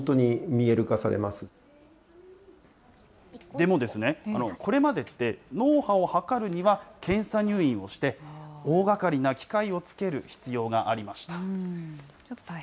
でも、これまでって、脳波を測るには、検査入院をして大がかりな機械をつける必要がありました。